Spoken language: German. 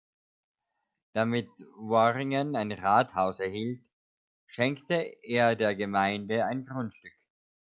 Damit Worringen ein Rathaus erhielt, schenkte er der Gemeinde ein Grundstück.